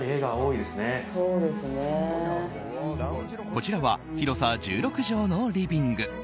こちらは広さ１６畳のリビング。